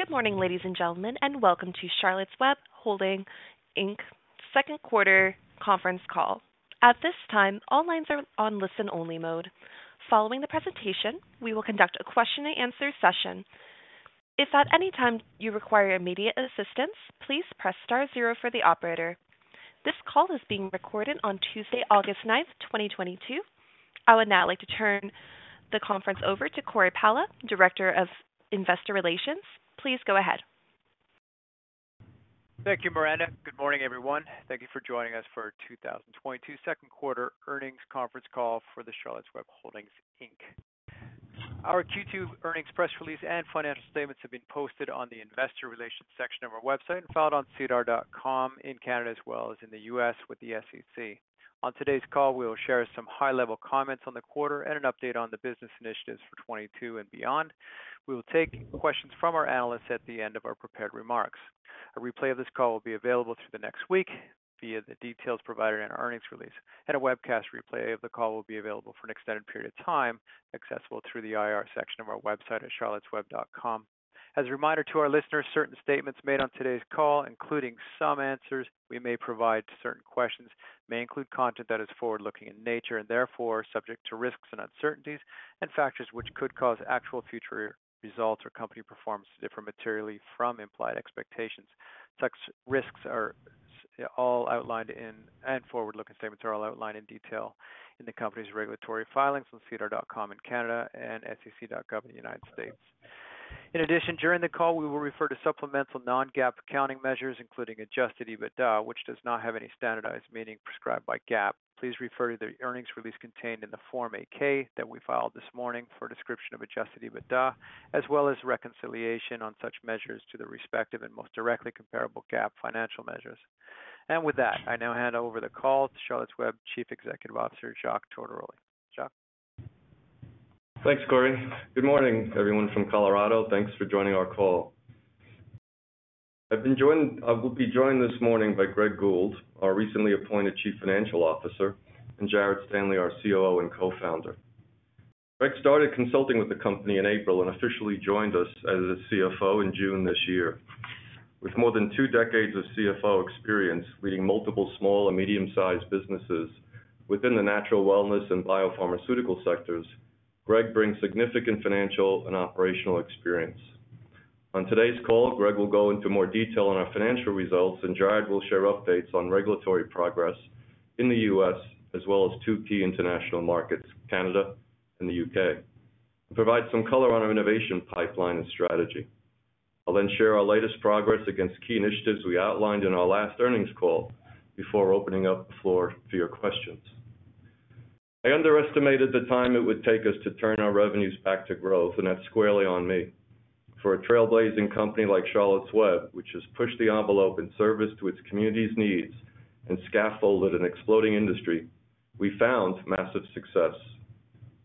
Good morning, ladies and gentlemen, and welcome to Charlotte's Web Holdings, Inc. second quarter conference call. At this time, all lines are on listen only mode. Following the presentation, we will conduct a question and answer session. If at any time you require immediate assistance, please press star zero for the operator. This call is being recorded on Tuesday, August 9th, 2022. I would now like to turn the conference over to Cory Pala, Director of Investor Relations. Please go ahead. Thank you, Miranda. Good morning, everyone. Thank you for joining us for 2022 second quarter earnings conference call for the Charlotte's Web Holdings, Inc. Our Q2 earnings press release and financial statements have been posted on the investor relations section of our website and filed on sedar.com in Canada as well as in the U.S. with the SEC. On today's call, we will share some high-level comments on the quarter and an update on the business initiatives for 2022 and beyond. We will take questions from our analysts at the end of our prepared remarks. A replay of this call will be available through the next week via the details provided in our earnings release, and a webcast replay of the call will be available for an extended period of time, accessible through the IR section of our website at charlottesweb.com. As a reminder to our listeners, certain statements made on today's call, including some answers we may provide to certain questions, may include content that is forward-looking in nature and therefore subject to risks and uncertainties and factors which could cause actual future results or company performance to differ materially from implied expectations. Such risks are all outlined in and forward-looking statements are all outlined in detail in the company's regulatory filings on sedar.com in Canada and sec.gov in the United States. In addition, during the call, we will refer to supplemental non-GAAP accounting measures, including adjusted EBITDA, which does not have any standardized meaning prescribed by GAAP. Please refer to the earnings release contained in the Form 8-K that we filed this morning for a description of adjusted EBITDA, as well as reconciliation on such measures to the respective and most directly comparable GAAP financial measures. With that, I now hand over the call to Charlotte's Web Chief Executive Officer, Jacques Tortoroli. Jacques. Thanks, Cory. Good morning, everyone from Colorado. Thanks for joining our call. I will be joined this morning by Greg Gould, our recently appointed Chief Financial Officer, and Jared Stanley, our COO and Co-Founder. Greg started consulting with the company in April and officially joined us as a CFO in June this year. With more than two decades of CFO experience leading multiple small and medium-sized businesses within the natural wellness and biopharmaceutical sectors, Greg brings significant financial and operational experience. On today's call, Greg will go into more detail on our financial results, and Jared will share updates on regulatory progress in the U.S. as well as two key international markets, Canada and the U.K., and provide some color on our innovation pipeline and strategy. I'll then share our latest progress against key initiatives we outlined in our last earnings call before opening up the floor for your questions. I underestimated the time it would take us to turn our revenues back to growth, and that's squarely on me. For a trailblazing company like Charlotte's Web, which has pushed the envelope in service to its community's needs and scaffolded an exploding industry, we found massive success.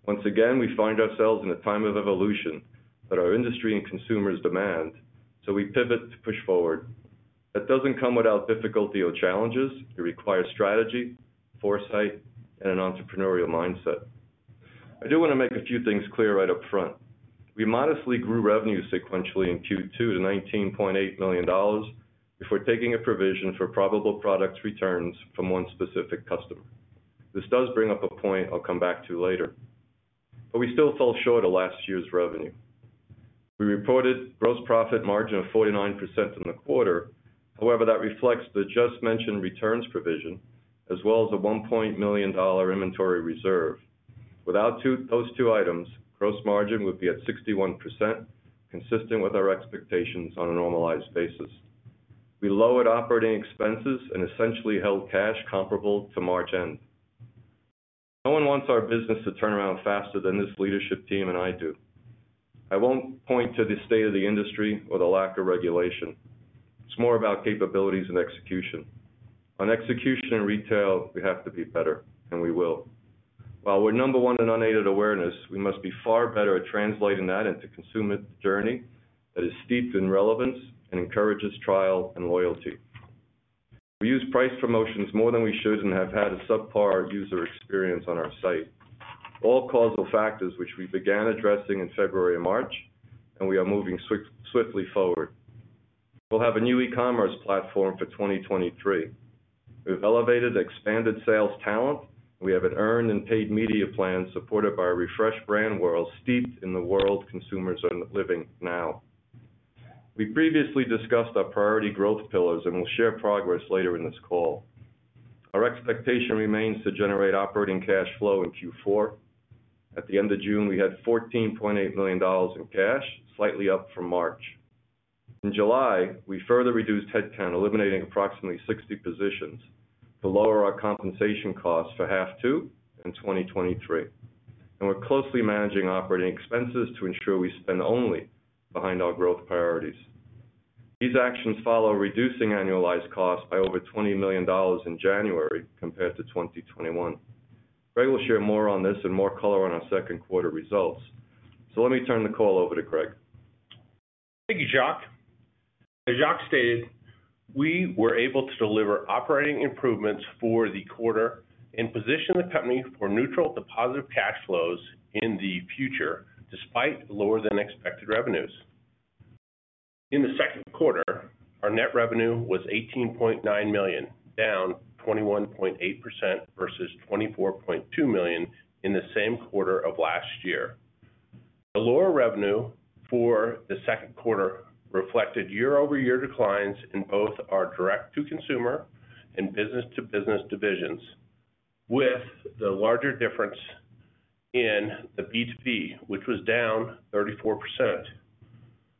Once again, we find ourselves in a time of evolution that our industry and consumers demand, so we pivot to push forward. That doesn't come without difficulty or challenges. It requires strategy, foresight, and an entrepreneurial mindset. I do want to make a few things clear right up front. We modestly grew revenue sequentially in Q2 to $19.8 million before taking a provision for probable product returns from one specific customer. This does bring up a point I'll come back to later. We still fell short of last year's revenue. We reported gross profit margin of 49% in the quarter. However, that reflects the just mentioned returns provision, as well as a $1 million inventory reserve. Without those two items, gross margin would be at 61%, consistent with our expectations on a normalized basis. We lowered operating expenses and essentially held cash comparable to March end. No one wants our business to turn around faster than this leadership team and I do. I won't point to the state of the industry or the lack of regulation. It's more about capabilities and execution. On execution in retail, we have to be better, and we will. While we're number one in unaided awareness, we must be far better at translating that into consumer journey that is steeped in relevance and encourages trial and loyalty. We use price promotions more than we should and have had a subpar user experience on our site. All causal factors which we began addressing in February and March, and we are moving swiftly forward. We'll have a new e-commerce platform for 2023. We've elevated expanded sales talent. We have an earned and paid media plan supported by a refreshed brand world steeped in the world consumers are living now. We previously discussed our priority growth pillars, and we'll share progress later in this call. Our expectation remains to generate operating cash flow in Q4. At the end of June, we had $14.8 million in cash, slightly up from March. In July, we further reduced headcount, eliminating approximately 60 positions to lower our compensation costs for half two in 2023. We're closely managing operating expenses to ensure we spend only behind our growth priorities. These actions follow reducing annualized costs by over $20 million in January compared to 2021. Greg will share more on this and more color on our second quarter results. Let me turn the call over to Greg. Thank you, Jacques. As Jacques stated, we were able to deliver operating improvements for the quarter and position the company for neutral to positive cash flows in the future despite lower than expected revenues. In the second quarter, our net revenue was $18.9 million, down 21.8% versus $24.2 million in the same quarter of last year. The lower revenue for the second quarter reflected year-over-year declines in both our direct-to-consumer and business-to-business divisions, with the larger difference in the B2B, which was down 34%.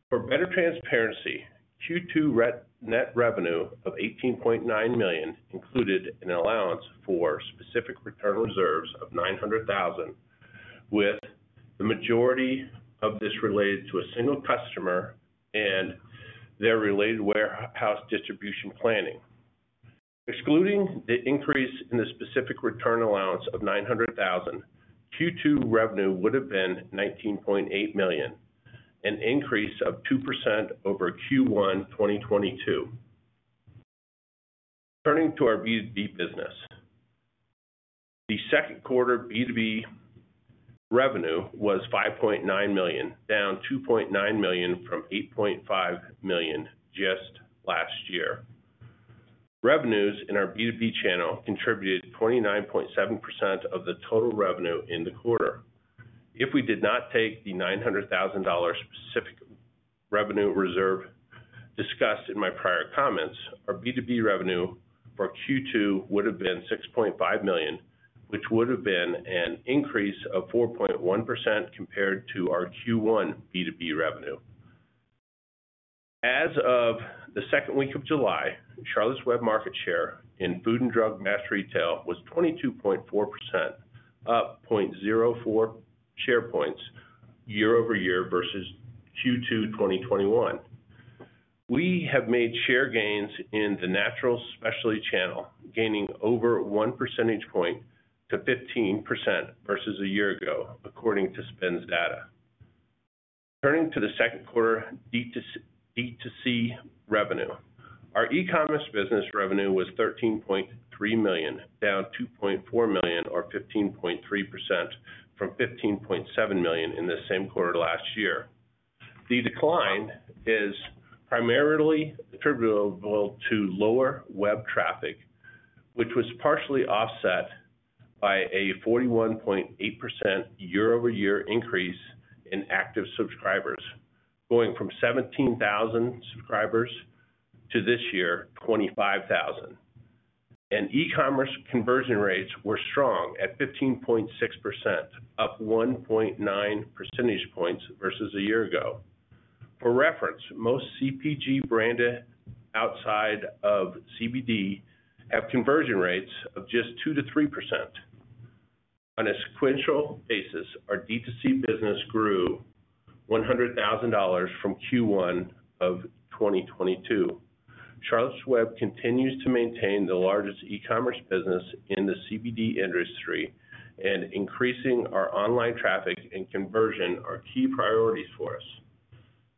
For better transparency, Q2 net revenue of $18.9 million included an allowance for specific return reserves of $900,000, with the majority of this related to a single customer and their related warehouse distribution planning. Excluding the increase in the specific return allowance of $900,000, Q2 revenue would have been $19.8 million, an increase of 2% over Q1 2022. Turning to our B2B business. The second quarter B2B revenue was $5.9 million, down $2.9 million from $8.5 million just last year. Revenues in our B2B channel contributed 49.7% of the total revenue in the quarter. If we did not take the $900,000 specific revenue reserve discussed in my prior comments, our B2B revenue for Q2 would have been $6.5 million, which would have been an increase of 4.1% compared to our Q1 B2B revenue. As of the second week of July, Charlotte's Web market share in food and drug mass retail was 22.4%, up 0.04 share points year-over-year versus Q2 2021. We have made share gains in the natural specialty channel, gaining over 1 percentage point to 15% versus a year ago, according to SPINS data. Turning to the second quarter D2C revenue. Our e-commerce business revenue was $13.3 million, down $2.4 million or 15.3% from $15.7 million in the same quarter last year. The decline is primarily attributable to lower web traffic, which was partially offset by a 41.8% year-over-year increase in active subscribers, going from 17,000 subscribers to this year, 25,000. E-commerce conversion rates were strong at 15.6%, up 1.9 percentage points versus a year ago. For reference, most CPG branded outside of CBD have conversion rates of just 2%-3%. On a sequential basis, our D2C business grew $100,000 from Q1 2022. Charlotte's Web continues to maintain the largest e-commerce business in the CBD industry and increasing our online traffic and conversion are key priorities for us.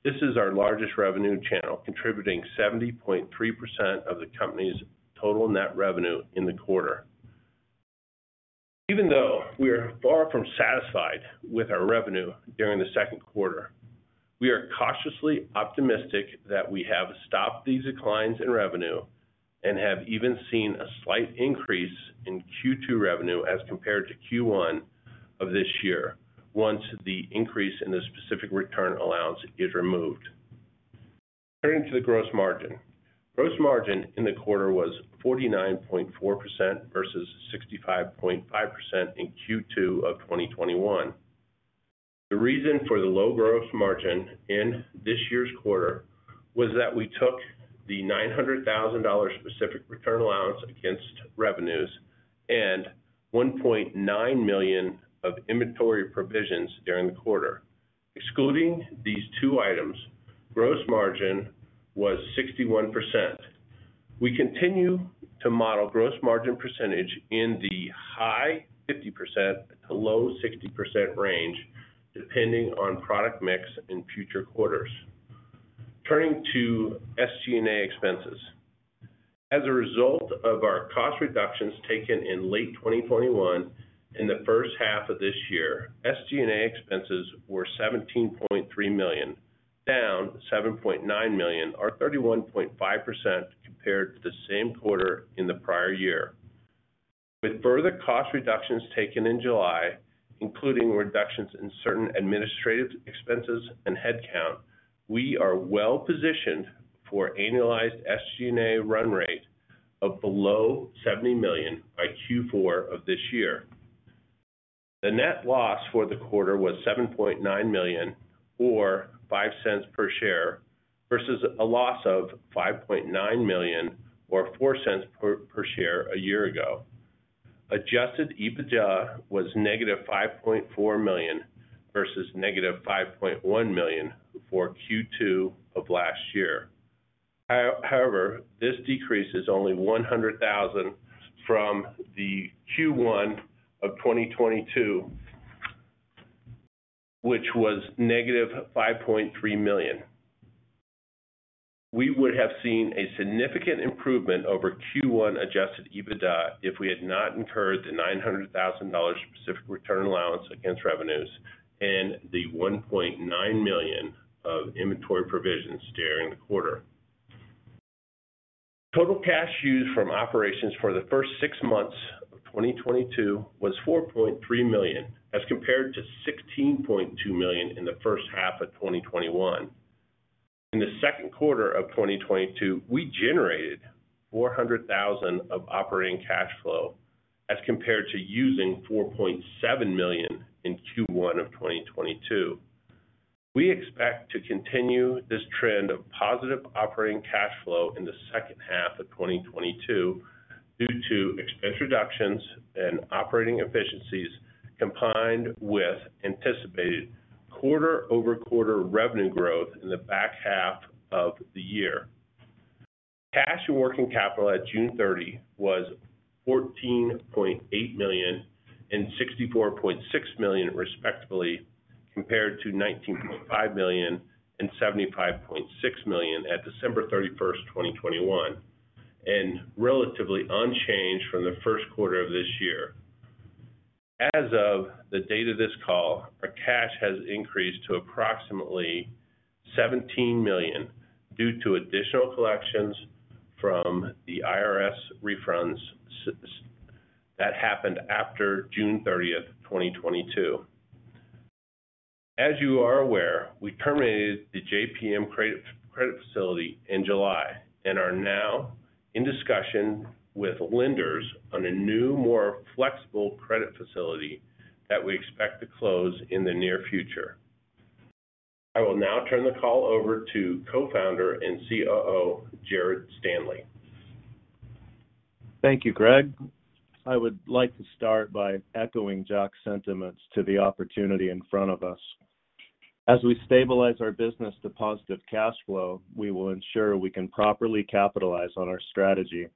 This is our largest revenue channel, contributing 70.3% of the company's total net revenue in the quarter. Even though we are far from satisfied with our revenue during the second quarter, we are cautiously optimistic that we have stopped these declines in revenue and have even seen a slight increase in Q2 revenue as compared to Q1 of this year once the increase in the specific return allowance is removed. Turning to the gross margin. Gross margin in the quarter was 49.4% versus 65.5% in Q2 of 2021. The reason for the low gross margin in this year's quarter was that we took the $900,000 specific return allowance against revenues and $1.9 million of inventory provisions during the quarter. Excluding these two items, gross margin was 61%. We continue to model gross margin percentage in the high 50% to low 60% range, depending on product mix in future quarters. Turning to SG&A expenses. As a result of our cost reductions taken in late 2021 and the first half of this year, SG&A expenses were $17.3 million, down $7.9 million or 31.5% compared to the same quarter in the prior year. With further cost reductions taken in July, including reductions in certain administrative expenses and headcount, we are well positioned for annualized SG&A run rate of below $70 million by Q4 of this year. The net loss for the quarter was $7.9 million or $0.05 per share versus a loss of $5.9 million or $0.04 per share a year ago. Adjusted EBITDA was -$5.4 million versus -$5.1 million for Q2 of last year. However, this decrease is only $100,000 from the Q1 of 2022, which was -$5.3 million. We would have seen a significant improvement over Q1 adjusted EBITDA if we had not incurred the $900,000 specific return allowance against revenues and the $1.9 million of inventory provisions during the quarter. Total cash used from operations for the first six months of 2022 was $4.3 million as compared to $16.2 million in the first half of 2021. In the second quarter of 2022, we generated $400,000 of operating cash flow as compared to using $4.7 million in Q1 of 2022. We expect to continue this trend of positive operating cash flow in the second half of 2022 due to expense reductions and operating efficiencies, combined with anticipated quarter-over-quarter revenue growth in the back half of the year. Cash and working capital at June 30 was $14.8 million and $64.6 million respectively, compared to $19.5 million and $75.6 million at December 31st, 2021, and relatively unchanged from the first quarter of this year. As of the date of this call, our cash has increased to approximately $17 million due to additional collections from the IRS refunds that happened after June 30th, 2022. As you are aware, we terminated the JPM credit facility in July and are now in discussion with lenders on a new, more flexible credit facility that we expect to close in the near future. I will now turn the call over to co-founder and COO, Jared Stanley. Thank you, Greg. I would like to start by echoing Jacques sentiments to the opportunity in front of us. As we stabilize our business to positive cash flow, we will ensure we can properly capitalize on our strategy.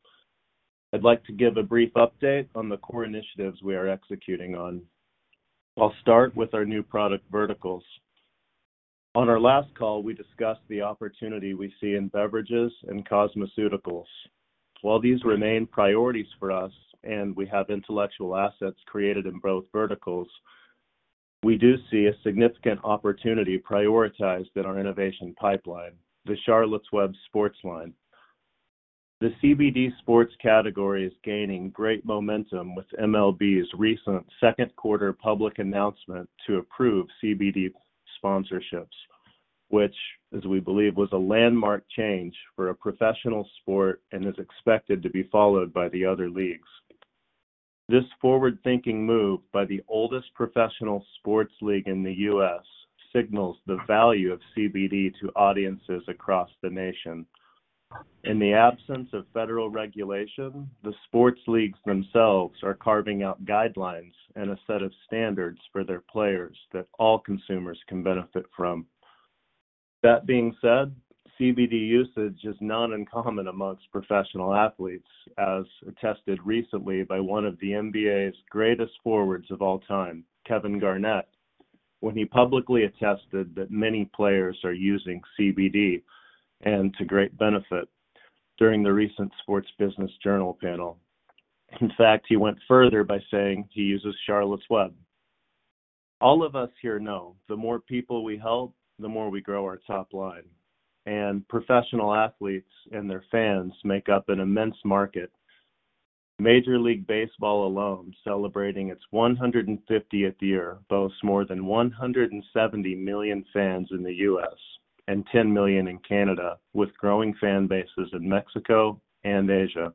I'd like to give a brief update on the core initiatives we are executing on. I'll start with our new product verticals. On our last call, we discussed the opportunity we see in beverages and cosmeceuticals. While these remain priorities for us and we have intellectual assets created in both verticals, we do see a significant opportunity prioritized in our innovation pipeline, the Charlotte's Web sports line. The CBD sports category is gaining great momentum with MLB's recent second quarter public announcement to approve CBD sponsorships, which, as we believe, was a landmark change for a professional sport and is expected to be followed by the other leagues. This forward-thinking move by the oldest professional sports league in the U.S. signals the value of CBD to audiences across the nation. In the absence of federal regulation, the sports leagues themselves are carving out guidelines and a set of standards for their players that all consumers can benefit from. That being said, CBD usage is not uncommon among professional athletes, as attested recently by one of the NBA's greatest forwards of all time, Kevin Garnett, when he publicly attested that many players are using CBD, and to great benefit, during the recent Sports Business Journal panel. In fact, he went further by saying he uses Charlotte's Web. All of us here know the more people we help, the more we grow our top line, and professional athletes and their fans make up an immense market. Major League Baseball alone, celebrating its 150th year, boasts more than 170 million fans in the U.S. and 10 million in Canada, with growing fan bases in Mexico and Asia.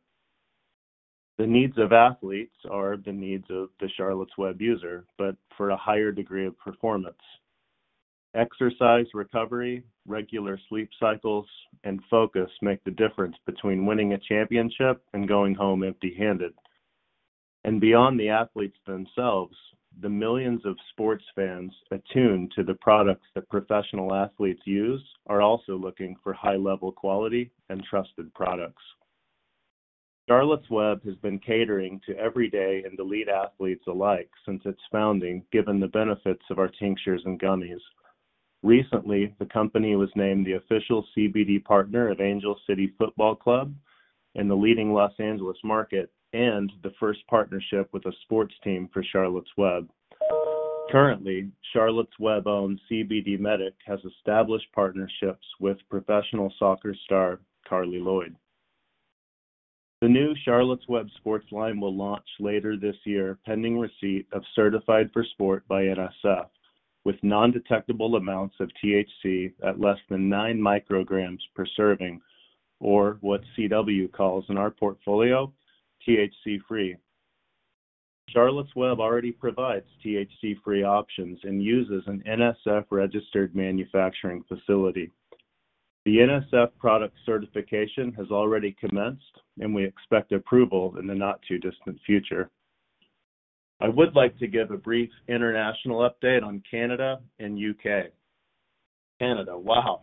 The needs of athletes are the needs of the Charlotte's Web user, but for a higher degree of performance. Exercise recovery, regular sleep cycles, and focus make the difference between winning a championship and going home empty-handed. Beyond the athletes themselves, the millions of sports fans attuned to the products that professional athletes use are also looking for high-level quality and trusted products. Charlotte's Web has been catering to everyday and elite athletes alike since its founding given the benefits of our tinctures and gummies. Recently, the company was named the official CBD partner of Angel City Football Club in the leading Los Angeles market, and the first partnership with a sports team for Charlotte's Web. Currently, Charlotte's Web-owned CBDMEDIC has established partnerships with professional soccer star Carli Lloyd. The new Charlotte's Web sports line will launch later this year, pending receipt of Certified for Sport by NSF, with non-detectable amounts of THC at less than 9 mcg per serving, or what CW calls in our portfolio, THC-free. Charlotte's Web already provides THC-free options and uses an NSF-registered manufacturing facility. The NSF product certification has already commenced, and we expect approval in the not-too-distant future. I would like to give a brief international update on Canada and U.K. Canada. Wow.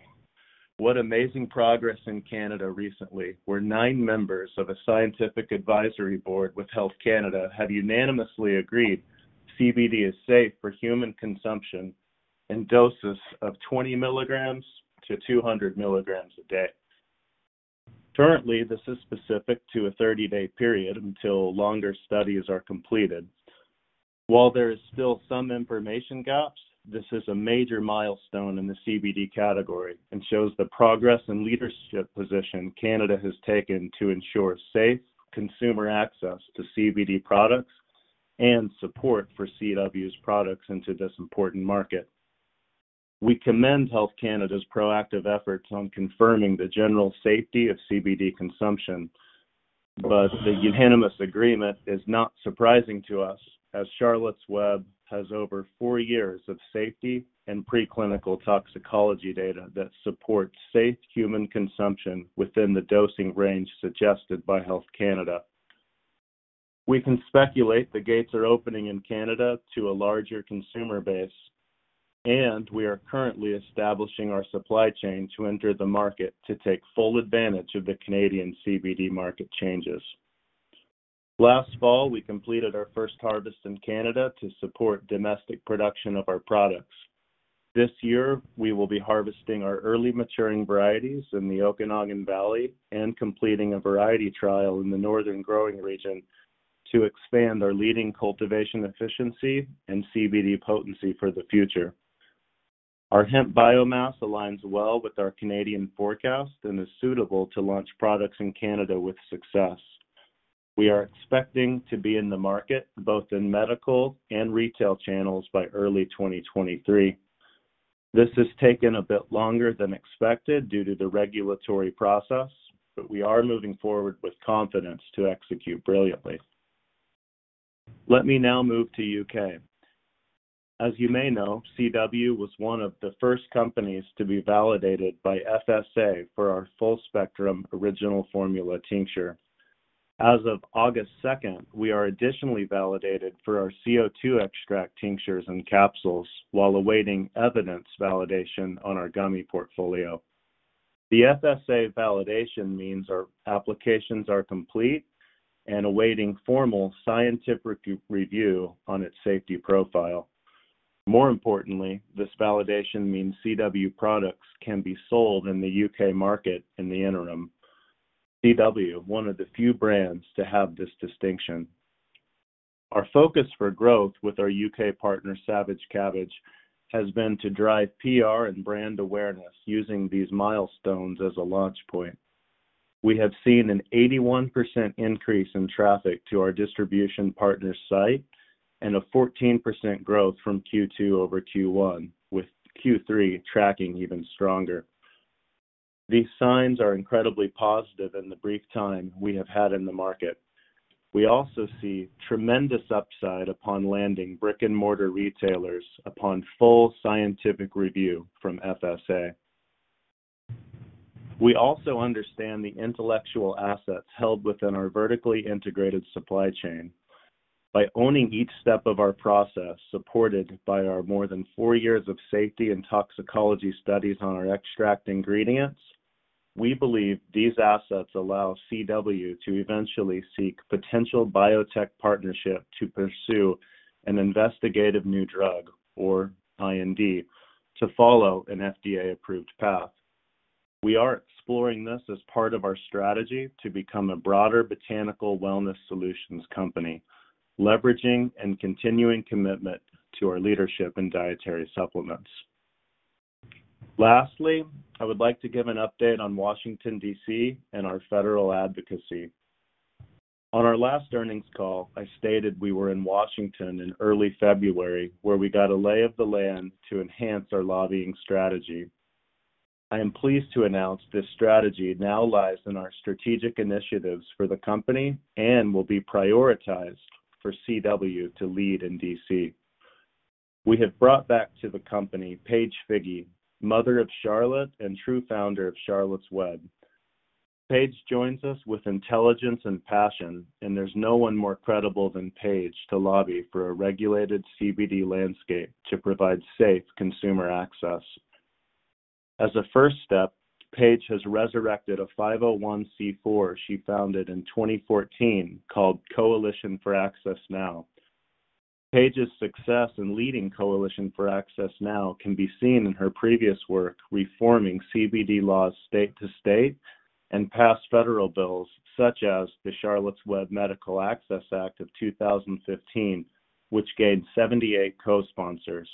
What amazing progress in Canada recently, where nine members of a scientific advisory board with Health Canada have unanimously agreed CBD is safe for human consumption in doses of 20 mg-200 mg a day. Currently, this is specific to a 30-day period until longer studies are completed. While there is still some information gaps, this is a major milestone in the CBD category and shows the progress and leadership position Canada has taken to ensure safe consumer access to CBD products and support for CW's products into this important market. We commend Health Canada's proactive efforts on confirming the general safety of CBD consumption. The unanimous agreement is not surprising to us as Charlotte's Web has over four years of safety and preclinical toxicology data that supports safe human consumption within the dosing range suggested by Health Canada. We can speculate the gates are opening in Canada to a larger consumer base, and we are currently establishing our supply chain to enter the market to take full advantage of the Canadian CBD market changes. Last fall, we completed our first harvest in Canada to support domestic production of our products. This year, we will be harvesting our early maturing varieties in the Okanagan Valley and completing a variety trial in the northern growing region to expand our leading cultivation efficiency and CBD potency for the future. Our hemp biomass aligns well with our Canadian forecast and is suitable to launch products in Canada with success. We are expecting to be in the market, both in medical and retail channels by early 2023. This has taken a bit longer than expected due to the regulatory process, but we are moving forward with confidence to execute brilliantly. Let me now move to U.K. As you may know, CW was one of the first companies to be validated by FSA for our full-spectrum original formula tincture. As of August 2nd, we are additionally validated for our CO₂ extract tinctures and capsules while awaiting evidence validation on our gummy portfolio. The FSA validation means our applications are complete and awaiting formal scientific review on its safety profile. More importantly, this validation means CW products can be sold in the U.K. market in the interim. CW, one of the few brands to have this distinction. Our focus for growth with our U.K. partner, Savage Cabbage, has been to drive PR and brand awareness using these milestones as a launch point. We have seen an 81% increase in traffic to our distribution partner site and a 14% growth from Q2 over Q1, with Q3 tracking even stronger. These signs are incredibly positive in the brief time we have had in the market. We also see tremendous upside upon landing brick-and-mortar retailers upon full scientific review from FSA. We also understand the intellectual assets held within our vertically integrated supply chain. By owning each step of our process, supported by our more than four years of safety and toxicology studies on our extract ingredients, we believe these assets allow CW to eventually seek potential biotech partnership to pursue an investigative new drug or IND to follow an FDA-approved path. We are exploring this as part of our strategy to become a broader botanical wellness solutions company, leveraging and continuing commitment to our leadership in dietary supplements. Lastly, I would like to give an update on Washington, D.C. and our federal advocacy. On our last earnings call, I stated we were in Washington in early February, where we got a lay of the land to enhance our lobbying strategy. I am pleased to announce this strategy now lies in our strategic initiatives for the company and will be prioritized for CW to lead in D.C. We have brought back to the company Paige Figi, mother of Charlotte and true founder of Charlotte's Web. Paige joins us with intelligence and passion, and there's no one more credible than Paige to lobby for a regulated CBD landscape to provide safe consumer access. As a first step, Paige has resurrected a 501(c)(4) she founded in 2014 called Coalition for Access Now. Paige's success in leading Coalition for Access Now can be seen in her previous work reforming CBD laws state to state and pass federal bills such as the Charlotte's Web Medical Access Act of 2015, which gained 78 co-sponsors.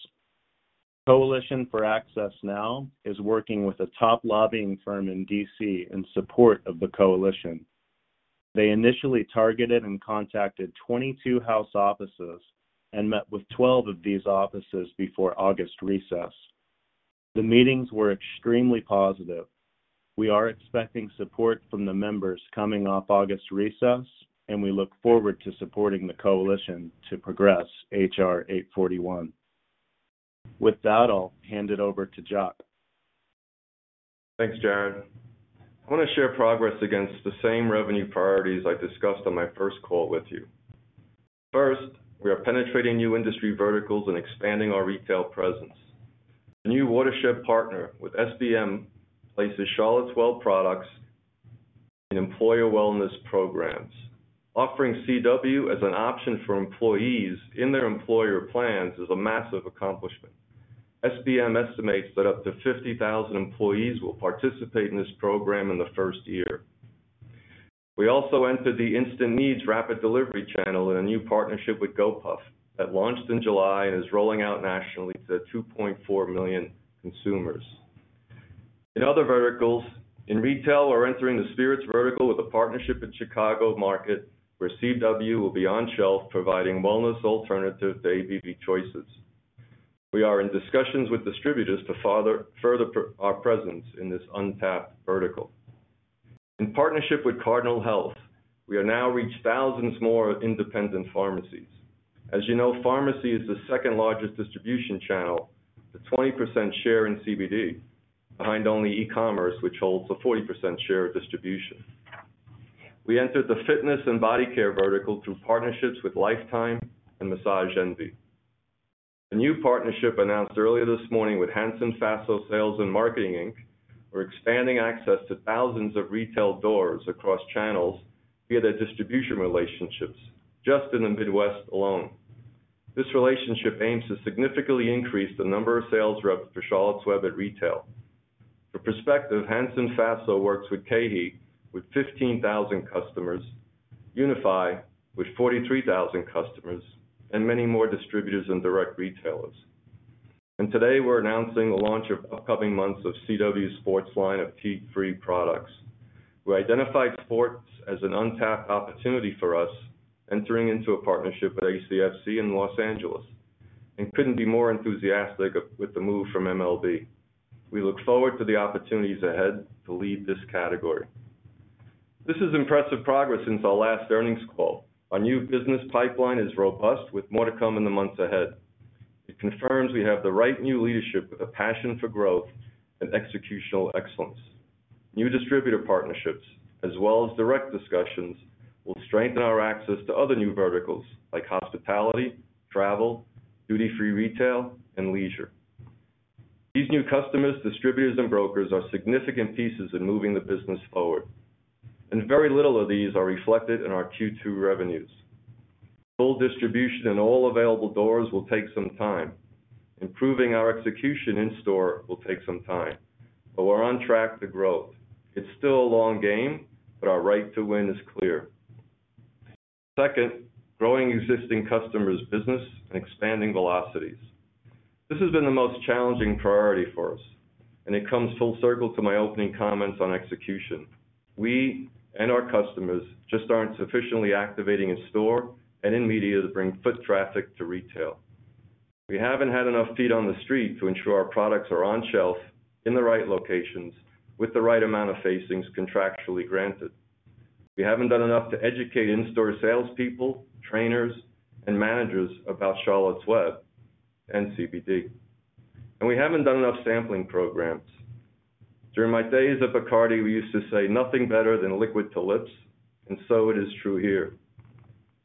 Coalition for Access Now is working with a top lobbying firm in D.C. in support of the coalition. They initially targeted and contacted 22 House offices and met with 12 of these offices before August recess. The meetings were extremely positive. We are expecting support from the members coming off August recess, and we look forward to supporting the coalition to progress H.R. 841. With that, I'll hand it over to Jacques. Thanks, Jared. I want to share progress against the same revenue priorities I discussed on my first call with you. First, we are penetrating new industry verticals and expanding our retail presence. A new watershed partner with SBM places Charlotte's Web products in employer wellness programs. Offering CW as an option for employees in their employer plans is a massive accomplishment. SBM estimates that up to 50,000 employees will participate in this program in the first year. We also entered the instant needs rapid delivery channel in a new partnership with Gopuff that launched in July and is rolling out nationally to 2.4 million consumers. In other verticals, in retail, we're entering the spirits vertical with a partnership in Chicago market where CW will be on shelf, providing wellness alternative to ABV choices. We are in discussions with distributors to further our presence in this untapped vertical. In partnership with Cardinal Health, we have now reached thousands more independent pharmacies. As you know, pharmacy is the second-largest distribution channel with a 20% share in CBD, behind only e-commerce, which holds a 40% share of distribution. We entered the fitness and body care vertical through partnerships with Life Time and Massage Envy. A new partnership announced earlier this morning with Hanson Faso Sales and Marketing, Inc., we're expanding access to thousands of retail doors across channels via their distribution relationships just in the Midwest alone. This relationship aims to significantly increase the number of sales reps for Charlotte's Web at retail. For perspective, Hanson Faso works with KeHE, with 15,000 customers, UNFI with 43,000 customers, and many more distributors and direct retailers. Today we're announcing the launch of upcoming months of CW's sports line of THC-free products. We identified sports as an untapped opportunity for us, entering into a partnership with ACFC in Los Angeles and couldn't be more enthusiastic with the move from MLB. We look forward to the opportunities ahead to lead this category. This is impressive progress since our last earnings call. Our new business pipeline is robust with more to come in the months ahead. It confirms we have the right new leadership, a passion for growth and executional excellence. New distributor partnerships, as well as direct discussions, will strengthen our access to other new verticals like hospitality, travel, duty-free retail, and leisure. These new customers, distributors, and brokers are significant pieces in moving the business forward, and very little of these are reflected in our Q2 revenues. Full distribution in all available doors will take some time. Improving our execution in-store will take some time, but we're on track to growth. It's still a long game, but our right to win is clear. Second, growing existing customers' business and expanding velocities. This has been the most challenging priority for us, and it comes full circle to my opening comments on execution. We and our customers just aren't sufficiently activating in-store and in media to bring foot traffic to retail. We haven't had enough feet on the street to ensure our products are on shelf in the right locations with the right amount of facings contractually granted. We haven't done enough to educate in-store salespeople, trainers, and managers about Charlotte's Web and CBD. We haven't done enough sampling programs. During my days at Bacardi, we used to say nothing better than liquid to lips, and so it is true here.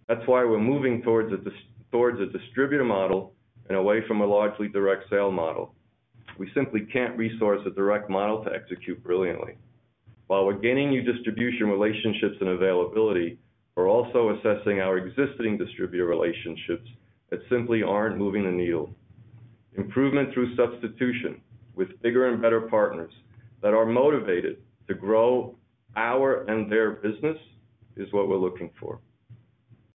That's why we're moving towards a distributor model and away from a largely direct sale model. We simply can't resource a direct model to execute brilliantly. While we're gaining new distribution relationships and availability, we're also assessing our existing distributor relationships that simply aren't moving the needle. Improvement through substitution with bigger and better partners that are motivated to grow our and their business is what we're looking for.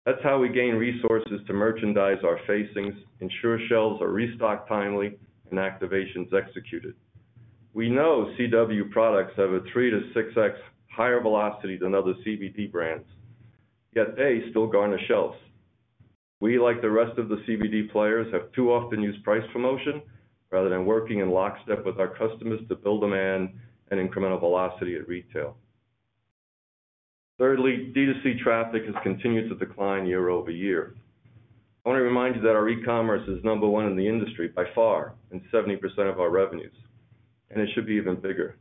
That's how we gain resources to merchandise our facings, ensure shelves are restocked timely, and activations executed. We know CW products have a 3x-6x higher velocity than other CBD brands, yet they still garner shelves. We, like the rest of the CBD players, have too often used price promotion rather than working in lockstep with our customers to build demand and incremental velocity at retail. Thirdly, D2C traffic has continued to decline year-over-year. I want to remind you that our e-commerce is number one in the industry by far and 70% of our revenues, and it should be even bigger.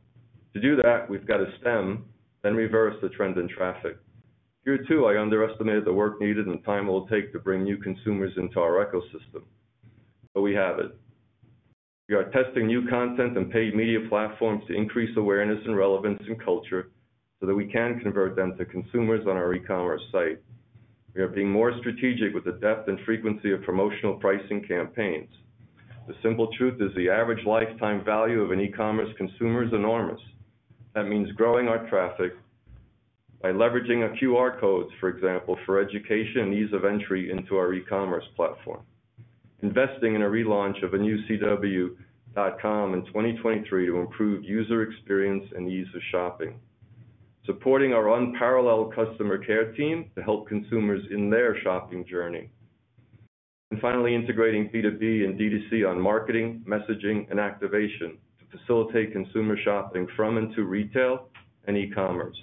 To do that, we've got to stem, then reverse the trend in traffic. Here, too, I underestimated the work needed and time it will take to bring new consumers into our ecosystem, but we have it. We are testing new content and paid media platforms to increase awareness and relevance in culture so that we can convert them to consumers on our e-commerce site. We are being more strategic with the depth and frequency of promotional pricing campaigns. The simple truth is, the average lifetime value of an e-commerce consumer is enormous. That means growing our traffic by leveraging QR codes, for example, for education and ease of entry into our e-commerce platform. Investing in a relaunch of a new cw.com in 2023 to improve user experience and ease of shopping. Supporting our unparalleled customer care team to help consumers in their shopping journey. Finally, integrating B2B and D2C on marketing, messaging, and activation to facilitate consumer shopping from and to retail and e-commerce,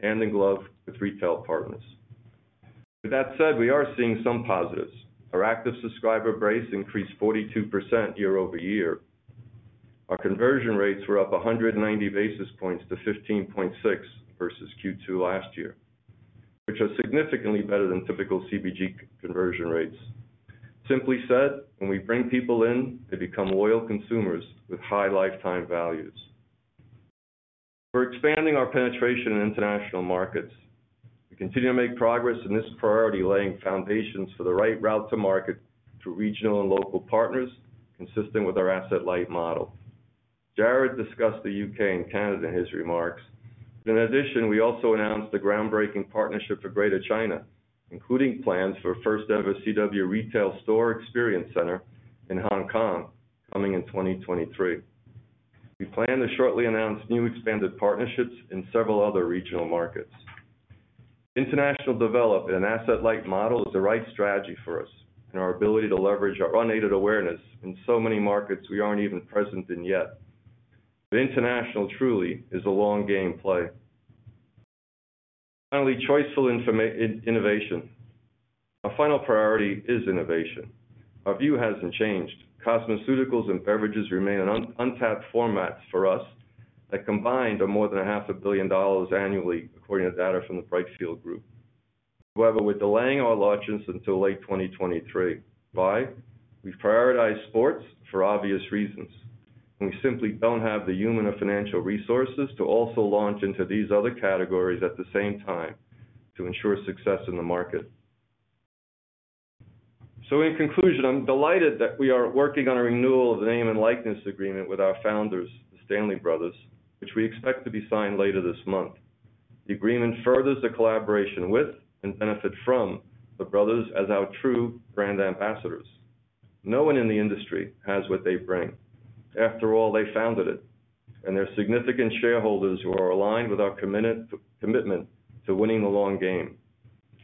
hand in glove with retail partners. With that said, we are seeing some positives. Our active subscriber base increased 42% year-over-year. Our conversion rates were up 190 basis points to 15.6 versus Q2 last year, which is significantly better than typical CBG conversion rates. Simply said, when we bring people in, they become loyal consumers with high lifetime values. We're expanding our penetration in international markets. We continue to make progress in this priority, laying foundations for the right route to market through regional and local partners, consistent with our asset-light model. Jared discussed the U.K. and Canada in his remarks. In addition, we also announced the groundbreaking partnership for Greater China, including plans for first-ever CW retail store experience center in Hong Kong, coming in 2023. We plan to shortly announce new expanded partnerships in several other regional markets. International development in an asset-light model is the right strategy for us and our ability to leverage our unaided awareness in so many markets we aren't even present in yet. International truly is a long game play. Finally, choiceful innovation. Our final priority is innovation. Our view hasn't changed. Cosmeceuticals and beverages remain an untapped format for us that combined are more than $500 million Annually, according to data from the Brightfield Group. However, we're delaying our launches until late 2023. Why? We've prioritized sports for obvious reasons, and we simply don't have the human or financial resources to also launch into these other categories at the same time to ensure success in the market. In conclusion, I'm delighted that we are working on a renewal of the name and likeness agreement with our founders, the Stanley brothers, which we expect to be signed later this month. The agreement furthers the collaboration with and benefit from the brothers as our true brand ambassadors. No one in the industry has what they bring. After all, they founded it, and they're significant shareholders who are aligned with our commitment to winning the long game.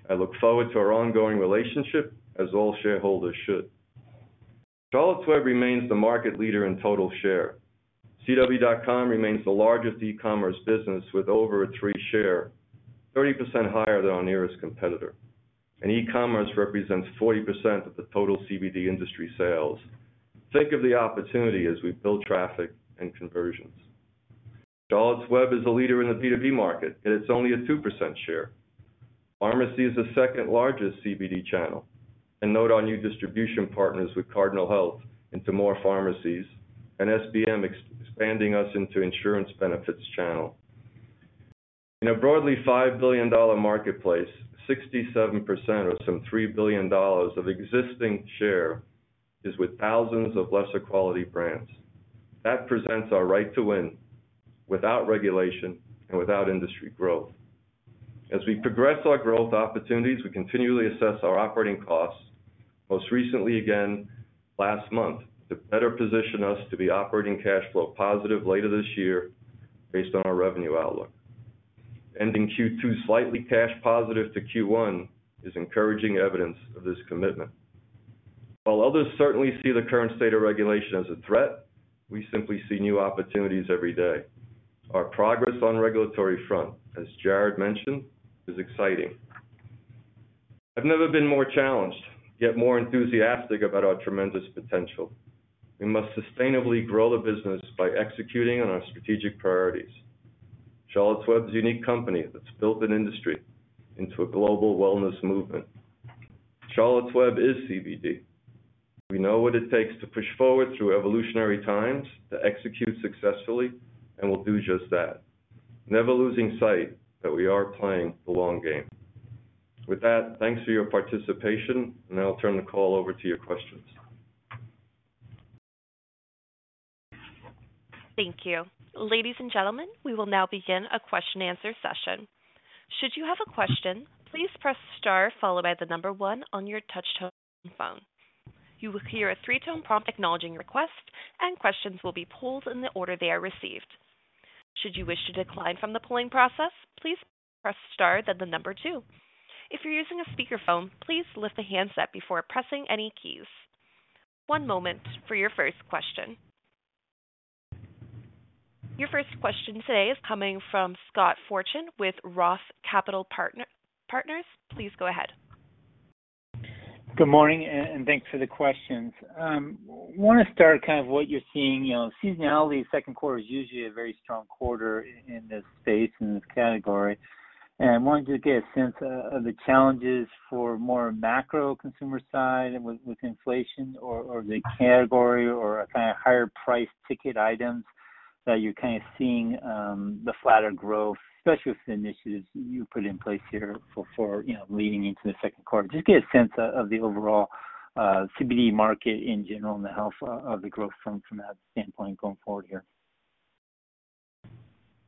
I look forward to our ongoing relationship, as all shareholders should. Charlotte's Web remains the market leader in total share. cw.com remains the largest e-commerce business with over a 3% share, 30% higher than our nearest competitor. E-commerce represents 40% of the total CBD industry sales. Think of the opportunity as we build traffic and conversions. Charlotte's Web is the leader in the B2B market, and it's only a 2% share. Pharmacy is the second-largest CBD channel. Note our new distribution partners with Cardinal Health into more pharmacies and SBM expanding us into insurance benefits channel. In a broadly $5 billion marketplace, 67% or some $3 billion of existing share is with thousands of lesser quality brands. That presents our right to win without regulation and without industry growth. As we progress our growth opportunities, we continually assess our operating costs, most recently again last month, to better position us to be operating cash flow positive later this year based on our revenue outlook. Ending Q2 slightly cash positive to Q1 is encouraging evidence of this commitment. While others certainly see the current state of regulation as a threat, we simply see new opportunities every day. Our progress on regulatory front, as Jared mentioned, is exciting. I've never been more challenged, yet more enthusiastic about our tremendous potential. We must sustainably grow the business by executing on our strategic priorities. Charlotte's Web is a unique company that's built an industry into a global wellness movement. Charlotte's Web is CBD. We know what it takes to push forward through evolutionary times to execute successfully, and we'll do just that, never losing sight that we are playing the long game. With that, thanks for your participation, and I'll turn the call over to your questions. Thank you. Ladies and gentlemen, we will now begin a question answer session. Should you have a question, please press star followed by the number one on your touch-tone phone. You will hear a three-tone prompt acknowledging your request, and questions will be queued in the order they are received. Should you wish to decline from the queuing process, please press star, then the number two. If you're using a speakerphone, please lift the handset before pressing any keys. One moment for your first question. Your first question today is coming from Scott Fortune with ROTH Capital Partners. Please go ahead. Good morning, thanks for the questions. Wanna start kind of what you're seeing. You know, seasonality, second quarter is usually a very strong quarter in this space, in this category. I wanted to get a sense of the challenges for more macro consumer side and with inflation or the category or a kinda higher price ticket items that you're kinda seeing, the flatter growth, especially with the initiatives you put in place here for you know, leading into the second quarter. Just get a sense of the overall CBD market in general and the health of the growth from that standpoint going forward here.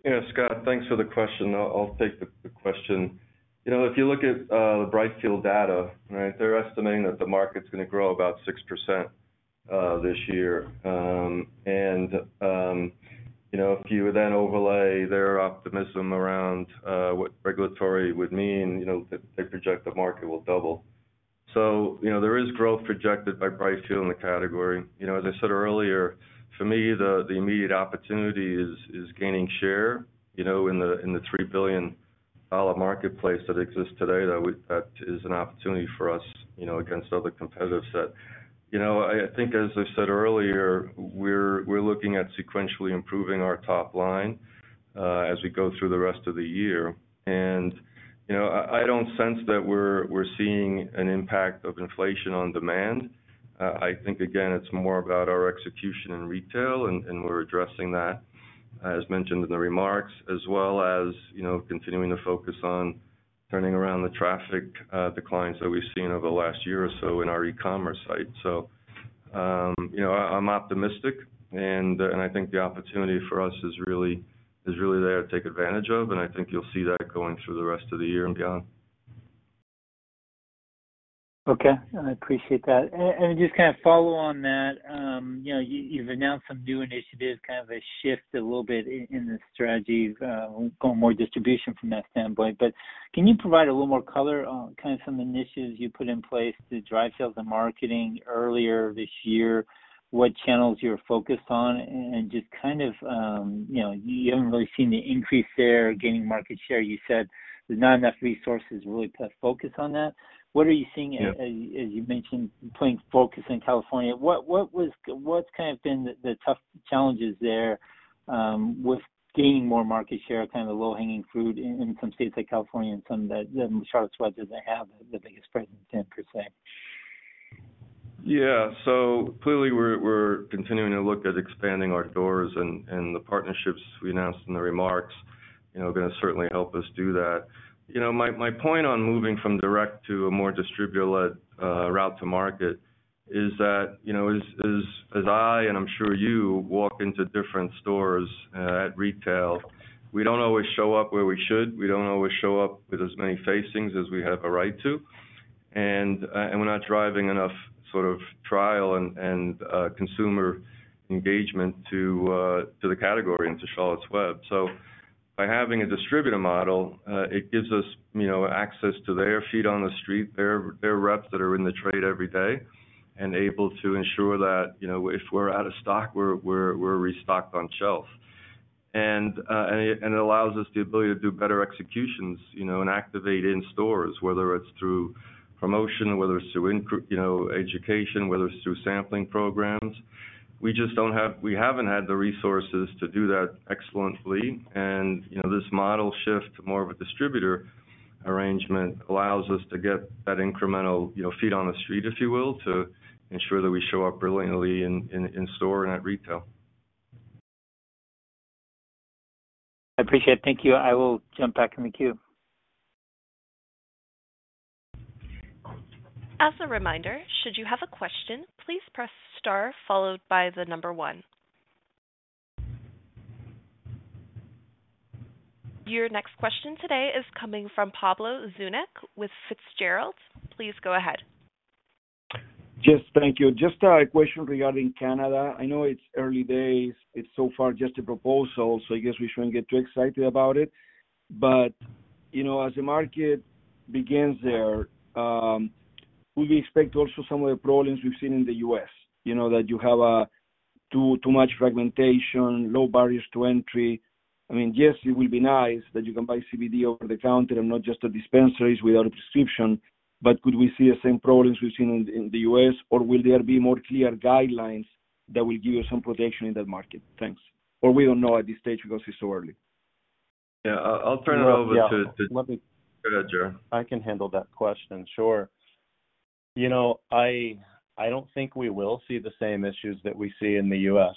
Yeah, Scott, thanks for the question. I'll take the question. You know, if you look at the Brightfield data, right, they're estimating that the market's gonna grow about 6% this year. You know, if you then overlay their optimism around what regulatory would mean, you know, they project the market will double. You know, there is growth projected by price too in the category. You know, as I said earlier, for me, the immediate opportunity is gaining share, you know, in the $3 billion marketplace that exists today that is an opportunity for us, you know, against other competitive set. You know, I think as I said earlier, we're looking at sequentially improving our top line as we go through the rest of the year. You know, I don't sense that we're seeing an impact of inflation on demand. I think again, it's more about our execution in retail and we're addressing that, as mentioned in the remarks, as well as, you know, continuing to focus on turning around the traffic declines that we've seen over the last year or so in our e-commerce site. You know, I'm optimistic and I think the opportunity for us is really there to take advantage of, and I think you'll see that going through the rest of the year and beyond. Okay. I appreciate that. Just kind of follow on that, you know, you've announced some new initiatives, kind of a shift a little bit in the strategies, going more distribution from that standpoint. Can you provide a little more color on kind of some initiatives you put in place to drive sales and marketing earlier this year, what channels you're focused on and just kind of, you know, you haven't really seen the increase there or gaining market share. You said there's not enough resources really put focus on that. What are you seeing? Yeah. As you mentioned, putting focus in California, what's kind of been the tough challenges there with gaining more market share, kind of the low-hanging fruit in some states like California and some that in Charlotte's Web, does it have the biggest presence, 10%? Yeah. Clearly, we're continuing to look at expanding our doors and the partnerships we announced in the remarks, you know, are gonna certainly help us do that. You know, my point on moving from direct to a more distributor-led route to market is that, you know, as I and I'm sure you walk into different stores at retail, we don't always show up where we should. We don't always show up with as many facings as we have a right to. We're not driving enough sort of trial and consumer engagement to the category into Charlotte's Web. By having a distributor model, it gives us, you know, access to their feet on the street, their reps that are in the trade every day, and able to ensure that, you know, if we're out of stock, we're restocked on shelf. It allows us the ability to do better executions, you know, and activate in stores, whether it's through promotion, whether it's through education, whether it's through sampling programs. We haven't had the resources to do that excellently. This model shift to more of a distributor arrangement allows us to get that incremental, you know, feet on the street, if you will, to ensure that we show up brilliantly in store and at retail. I appreciate it. Thank you. I will jump back in the queue. As a reminder, should you have a question, please press star followed by the number one. Your next question today is coming from Pablo Zuanic with Fitzgerald. Please go ahead. Yes, thank you. Just a question regarding Canada. I know it's early days. It's so far just a proposal, so I guess we shouldn't get too excited about it. You know, as the market begins there, will we expect also some of the problems we've seen in the U.S.? You know, that you have too much fragmentation, low barriers to entry. I mean, yes, it will be nice that you can buy CBD over the counter and not just at dispensaries without a prescription. Could we see the same problems we've seen in the U.S., or will there be more clear guidelines that will give you some protection in that market? Thanks. We don't know at this stage because it's so early. Yeah. I'll turn it over to Yeah. Go ahead, Jared. I can handle that question. Sure. You know, I don't think we will see the same issues that we see in the U.S.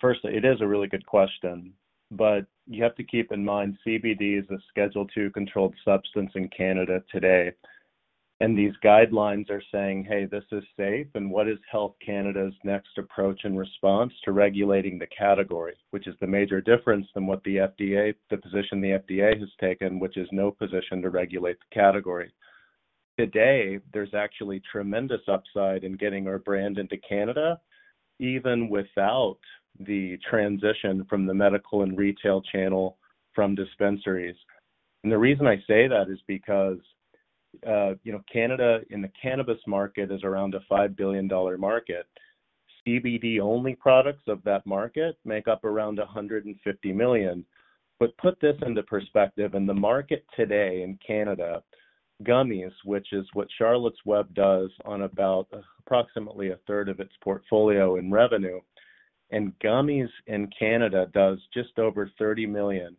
First, it is a really good question, but you have to keep in mind, CBD is a Schedule II controlled substance in Canada today. These guidelines are saying, "Hey, this is safe," and what is Health Canada's next approach and response to regulating the category. That is the major difference than what the FDA, the position the FDA has taken, which is no position to regulate the category. Today, there's actually tremendous upside in getting our brand into Canada, even without the transition from the medical and retail channel from dispensaries. The reason I say that is because, you know, Canada in the cannabis market is around a $5 billion market. CBD-only products of that market make up around $150 million. Put this into perspective. In the market today in Canada, gummies, which is what Charlotte's Web does on about approximately a third of its portfolio in revenue, and gummies in Canada does just over $30 million.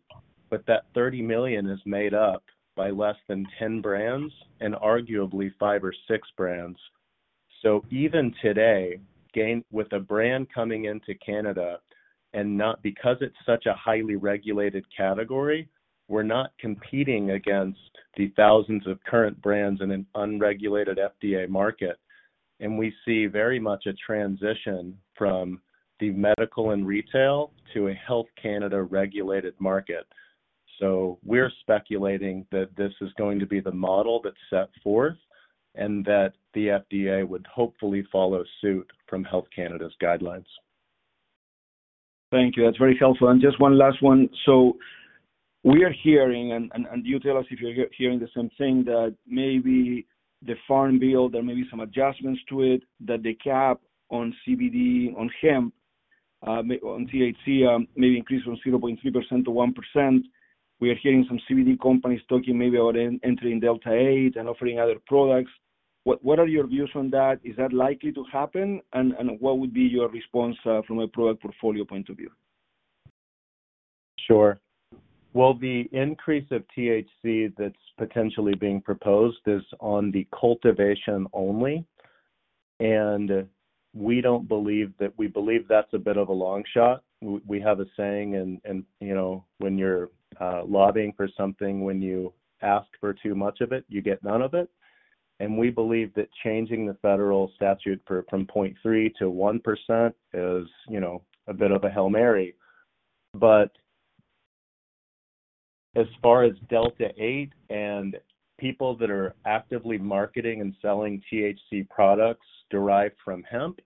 That $30 million is made up by less than 10 brands and arguably five or six brands. Even today, with a brand coming into Canada because it's such a highly regulated category, we're not competing against the thousands of current brands in an unregulated FDA market. We see very much a transition from the medical and retail to a Health Canada regulated market. We're speculating that this is going to be the model that's set forth and that the FDA would hopefully follow suit from Health Canada's guidelines. Thank you. That's very helpful. Just one last one. We are hearing, and you tell us if you're hearing the same thing, that maybe the farm bill, there may be some adjustments to it, that the cap on CBD, on hemp, may on THC, may increase from 0.3% to 1%. We are hearing some CBD companies talking maybe about entering Delta-8 and offering other products. What are your views on that? Is that likely to happen? What would be your response from a product portfolio point of view? Sure. Well, the increase of THC that's potentially being proposed is on the cultivation only, and we don't believe that. We believe that's a bit of a long shot. We have a saying and, you know, when you're lobbying for something, when you ask for too much of it, you get none of it. We believe that changing the federal statute from 0.3% to 1% is, you know, a bit of a Hail Mary. As far as Delta-8 and people that are actively marketing and selling THC products derived from hemp,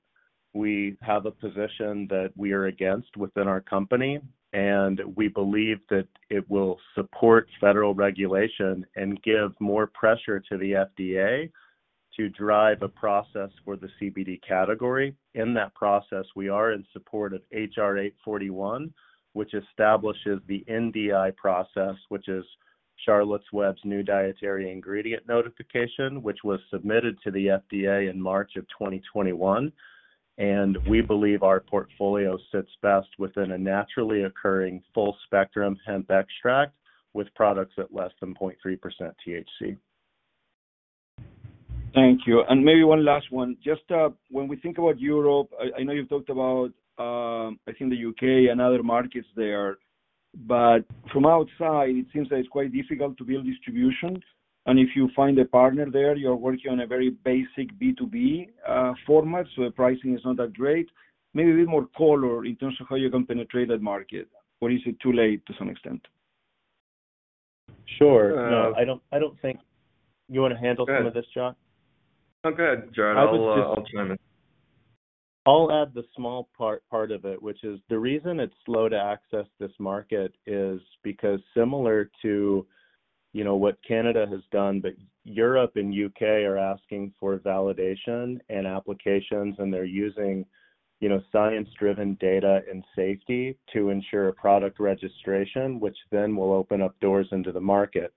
we have a position that we are against within our company, and we believe that it will support federal regulation and give more pressure to the FDA to drive a process for the CBD category. In that process, we are in support of H.R. 841, which establishes the NDI process, which is Charlotte's Web's New Dietary Ingredient notification, which was submitted to the FDA in March 2021. We believe our portfolio sits best within a naturally occurring, full-spectrum hemp extract with products at less than 0.3% THC. Thank you. Maybe one last one. Just, when we think about Europe, I know you've talked about, I think the U.K. and other markets there, but from outside, it seems that it's quite difficult to build distribution. If you find a partner there, you're working on a very basic B2B format, so the pricing is not that great. Maybe a bit more color in terms of how you can penetrate that market. Or is it too late to some extent? Sure. No, I don't think. You wanna handle some of this, Jacques? No, go ahead, Jared. I'll chime in. I'll add the small part of it, which is the reason it's slow to access this market is because similar to, you know, what Canada has done, but Europe and U.K. are asking for validation and applications, and they're using, you know, science-driven data and safety to ensure product registration, which then will open up doors into the market.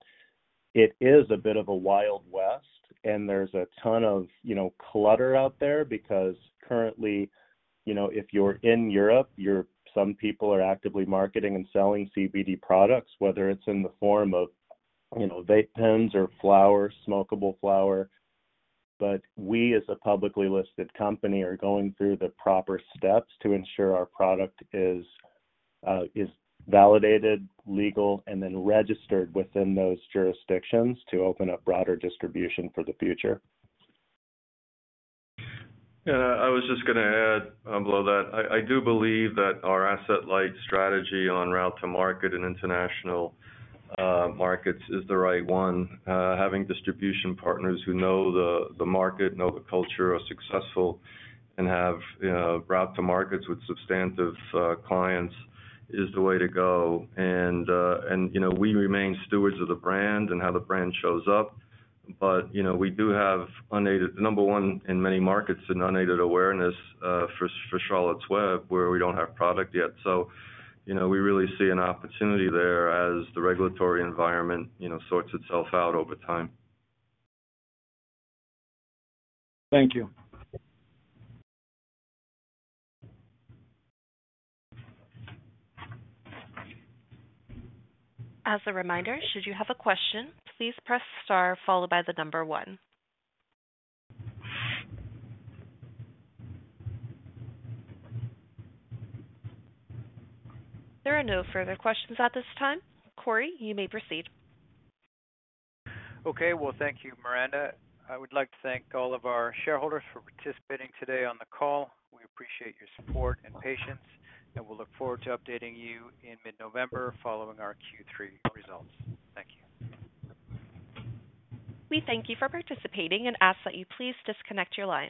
It is a bit of a Wild West, and there's a ton of, you know, clutter out there because currently, you know, if you're in Europe, some people are actively marketing and selling CBD products, whether it's in the form of, you know, vape pens or flower, smokable flower. We, as a publicly listed company, are going through the proper steps to ensure our product is validated, legal, and then registered within those jurisdictions to open up broader distribution for the future. Yeah, I was just gonna add, Pablo, that I do believe that our asset-light strategy on route to market and international markets is the right one. Having distribution partners who know the market, know the culture, are successful and have you know, route to markets with substantive clients is the way to go. You know, we remain stewards of the brand and how the brand shows up. You know, we do have unaided number one in many markets in unaided awareness for Charlotte's Web, where we don't have product yet. You know, we really see an opportunity there as the regulatory environment sorts itself out over time. Thank you. As a reminder, should you have a question, please press star followed by the number one. There are no further questions at this time. Cory, you may proceed. Okay. Well, thank you, Miranda. I would like to thank all of our shareholders for participating today on the call. We appreciate your support and patience, and we'll look forward to updating you in mid-November following our Q3 results. Thank you. We thank you for participating and ask that you please disconnect your line.